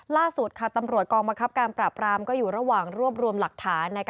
ล่าสุดตำรวจกองบังคับการปราบรามก็อยู่ระหว่างรวบรวมหลักฐาน